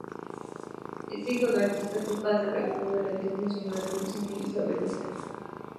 Es hijo de artistas, su padre Raimundo Ledesma y su madre Luisa Ysabel Lucena.